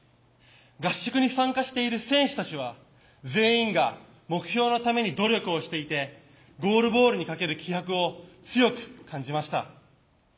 合宿に参加している選手たちは全員が目標のために努力をしていてゴールボールにかける気迫を強く感じました。